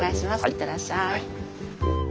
行ってらっしゃい。